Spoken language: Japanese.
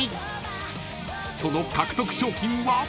［その獲得賞金は］